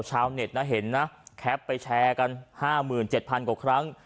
เช้าเน็ตเห็นแคคเป็นแชร์กัน๕๗๐๐๐กว่าครั้ง